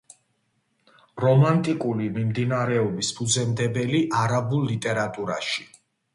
რომანტიკული მიმდინარეობის ფუძემდებელი არაბულ ლიტერატურაში.